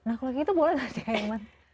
nah kalau gitu boleh gak ya irman